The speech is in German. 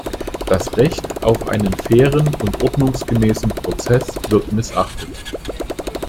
Das Recht auf einen fairen und ordnungsgemäßen Prozess wird missachtet.